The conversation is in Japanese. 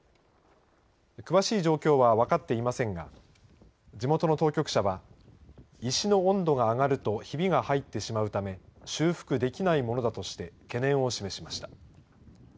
詳しい状況は分かっていませんが地元の当局者は石の温度が上がるとひびが入ってしまうため修復できないものだとして懸念を示しました。